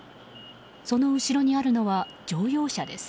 その後ろにあるのは乗用車です。